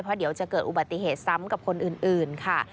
เพราะเดี๋ยวจะเกิดอุบัติเหตุซ้ำกับคนอื่นค่ะ